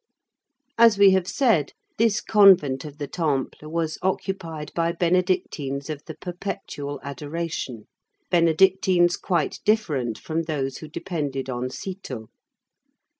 As we have said, this convent of the Temple was occupied by Benedictines of the Perpetual Adoration, Benedictines quite different from those who depended on Cîteaux.